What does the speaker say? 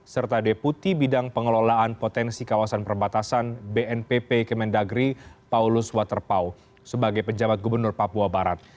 serta deputi bidang pengelolaan potensi kawasan perbatasan bnpp kemendagri paulus waterpau sebagai pejabat gubernur papua barat